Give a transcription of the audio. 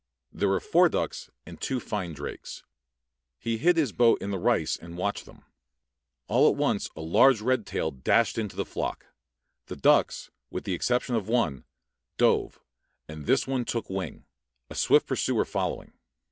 There were four ducks and two fine drakes. He hid his boat in the rice and watched them. All at once a large red tailed hawk dashed into the flock. The ducks, with the exception of one, dove, and this one took wing, a swift pursuer following.